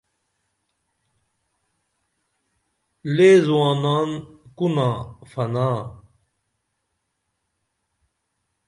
لے زوانان کُنا فنا